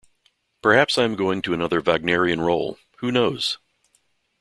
Perhaps I am going to another Wagnerian role - who knows?